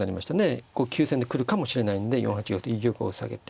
急戦で来るかもしれないんで４八玉と居玉を避けて。